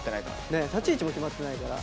ねっ立ち位置も決まってないから。